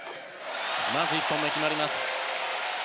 まず１本目決まりました。